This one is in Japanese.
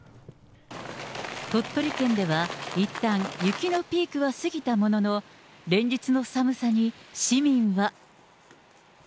鳥取県では、いったん雪のピークは過ぎたものの、連日の寒さに市民は。